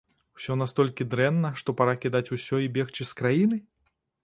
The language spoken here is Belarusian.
Усё настолькі дрэнна, што пара кідаць усё і бегчы з краіны?